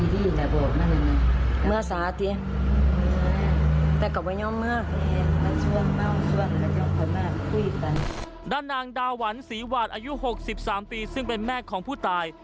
ด้านนางดาวัลศรีวัตรอายุหกสิบสามปีซึ่งเป็นแม่ของผู้ตาย